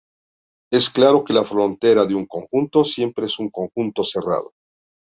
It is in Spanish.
Es claro que la frontera de un conjunto siempre es un conjunto cerrado.